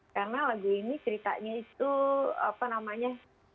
karena lagu ini ceritanya itu apa namanya